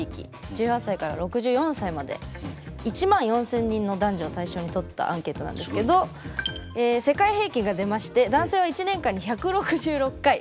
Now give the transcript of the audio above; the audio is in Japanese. １８歳から６４歳まで１万４，０００人の男女を対象に取ったアンケートなんですけど世界平均が出まして男性は１年間に１６６回。